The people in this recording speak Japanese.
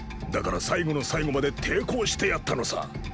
だから最後の最後まで抵抗してやったのさ。